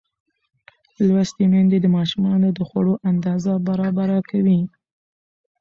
لوستې میندې د ماشومانو د خوړو اندازه برابره کوي.